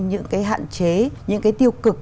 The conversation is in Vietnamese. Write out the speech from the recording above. những cái hạn chế những cái tiêu cực